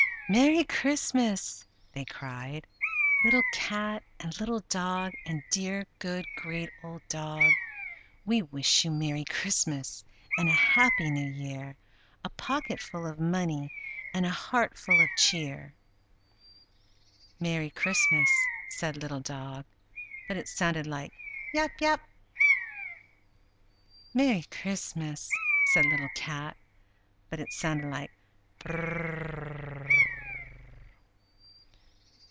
"Merry Christmas!" they cried: "Little Cat and Little Dog, and dear, good Great Old Dog!" "We wish you Merry Christmas, And a happy New Year; A pocket full of money, And a heart full of cheer!" "Merry Christmas!" said Little Dog (but it sounded like "Yap! yap!"). "Merry Christmas!" said Little Cat (but it sounded like "Purrrrrrrrrrr!").